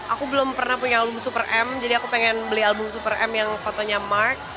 aku belum pernah punya album super m jadi aku pengen beli album super m yang fotonya mark